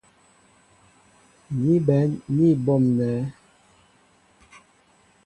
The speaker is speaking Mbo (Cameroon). Ni bɛ̌n ní m̀bonɛ́ jə̌ á mbí' ndáp.